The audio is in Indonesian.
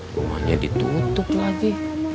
rumahnya ditutup lagi